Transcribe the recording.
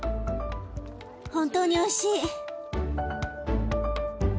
本当においしい！